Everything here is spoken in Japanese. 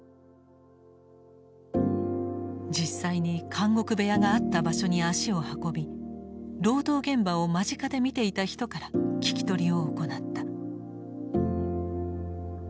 実際に「監獄部屋」があった場所に足を運び労働現場を間近で見ていた人から聞き取りを行った。